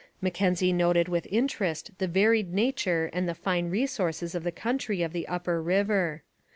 Mackenzie noted with interest the varied nature and the fine resources of the country of the upper river.